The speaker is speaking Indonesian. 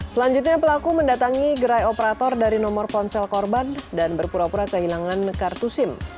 selanjutnya pelaku mendatangi gerai operator dari nomor ponsel korban dan berpura pura kehilangan kartu sim